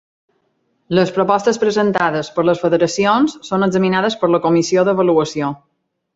Les propostes presentades per les federacions són examinades per la Comissió d'Avaluació.